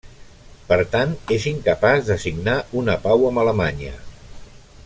Per tant, és incapaç de signar una pau amb Alemanya.